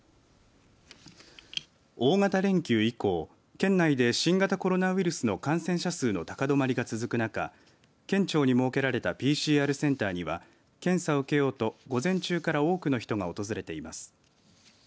大型連休以降、県内で新型コロナウイルスの感染者数の高止まりが続く中、県庁に設けられたＰＣＲセンターには検査を受けようと午前中から多くの人が訪れています。